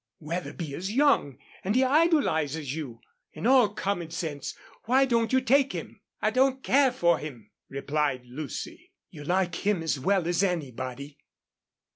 ... Wetherby is young and he idolizes you. In all common sense why don't you take him?" "I don't care for him," replied Lucy. "You like him as well as anybody....